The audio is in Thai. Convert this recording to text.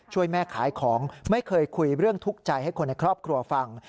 ช่วยแม่ขายของไม่เคยคุยเรื่องทุกข์ใจให้คนในครอบครัวฟัง